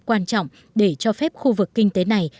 quan trọng để cho phép khu vực kinh tế này